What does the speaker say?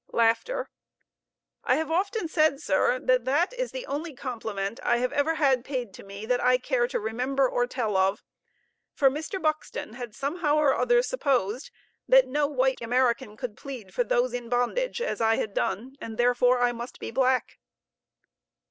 I have often said, sir, that that is the only compliment I have ever had paid to me that I care to remember or tell of. For Mr. Buxton had somehow or other supposed that no white American could plead for those in bondage as I had done, and therefore I must be black.